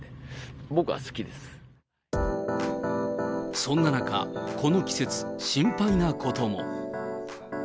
僕は好きそんな中、この季節、心配なことも。